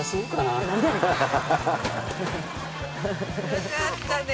よかったね。